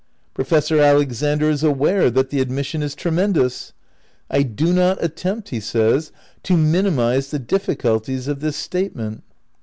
Professor Alexander is aware that the admission is tremendous. "I do not attempt," he says, "to mini mise the difficulties of this statement."